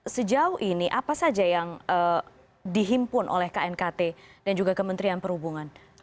sejauh ini apa saja yang dihimpun oleh knkt dan juga kementerian perhubungan